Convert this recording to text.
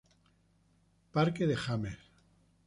James's Park.